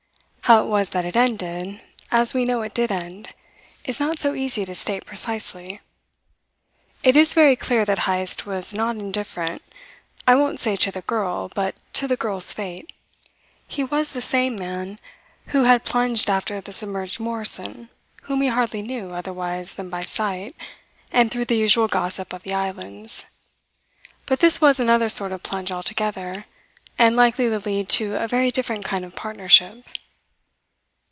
How it was that it ended, as we know it did end, is not so easy to state precisely. It is very clear that Heyst was not indifferent, I won't say to the girl, but to the girl's fate. He was the same man who had plunged after the submerged Morrison whom he hardly knew otherwise than by sight and through the usual gossip of the islands. But this was another sort of plunge altogether, and likely to lead to a very different kind of partnership.